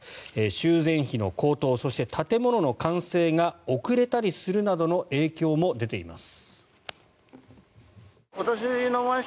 修繕費の高騰そして、建物の完成が遅れたりするなどの影響も出ています。